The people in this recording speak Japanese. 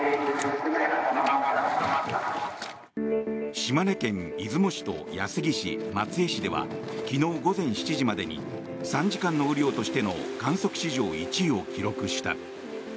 島根県出雲市と安来市、松江市では昨日の午前７時までに３時間の雨量としての観測史上１位を記録した。